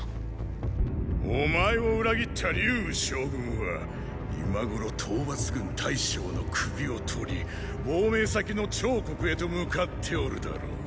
お前を裏切った龍羽将軍は今頃討伐軍大将の首を取り亡命先の趙国へと向かっておるだろう。